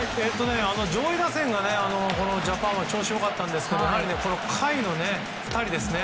上位打線がジャパンは調子良かったんですが下位の２人ですね。